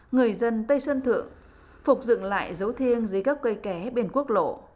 người dân tây sơn thượng phục dựng lại dấu thiêng dưới các cây ké bên quốc lộ